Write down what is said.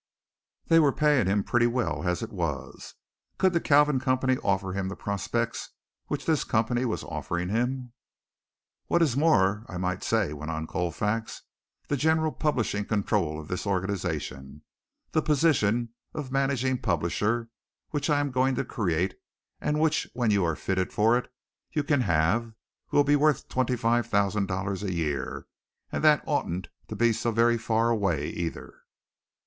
They were paying him pretty well as it was. Could the Kalvin Company offer him the prospects which this company was offering him? "What is more, I might say," went on Colfax, "the general publishing control of this organization the position of managing publisher, which I am going to create and which when you are fitted for it you can have, will be worth twenty five thousand dollars a year, and that oughtn't to be so very far away, either."